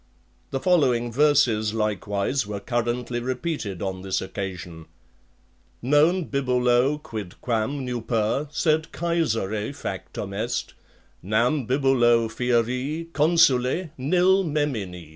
The following verses likewise were currently repeated on this occasion: Non Bibulo quidquam nuper, sed Caesare factum est; Nam Bibulo fieri consule nil memini.